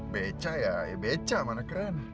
beca ya beca mana keren